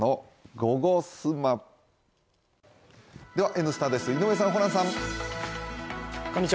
「Ｎスタ」です、井上さん、ホランさん。